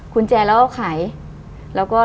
คุณแจเราเอาขาย